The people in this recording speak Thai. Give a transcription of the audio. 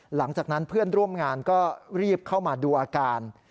หลังจากนั้นเพื่อนร่วมงานก็รีบเข้ามาดูอาการ